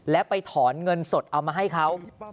และไปถอนเงินสดเอามาให้เขา